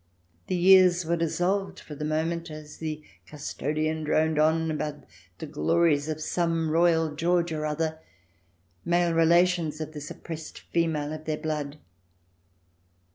The years were dissolved, for the moment, as the custodian droned on about the glories of some royal George or other, male relations of this oppressed female of their blood.